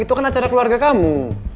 itu kan acara keluarga kamu